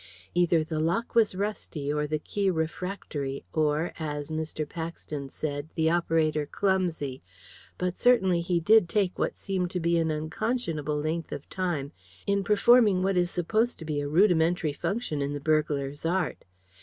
Either the lock was rusty or the key refractory, or, as Mr. Paxton said, the operator clumsy, but certainly he did take what seemed to be an unconscionable length of time in performing what is supposed to be a rudimentary function in the burglar's art.